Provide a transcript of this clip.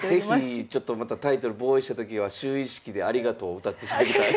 是非ちょっとまたタイトル防衛したときは就位式で「ありがとう」を歌っていただけたら。